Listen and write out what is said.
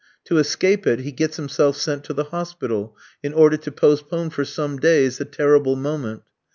To escape it he gets himself sent to the hospital, in order to postpone for some days the terrible moment.